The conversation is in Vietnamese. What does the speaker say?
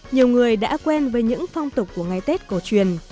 nhiều người đã quen với những phong tục của ngày tết cổ truyền